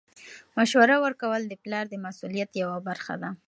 مشوره ورکول د پلار د مسؤلیت یوه برخه ده.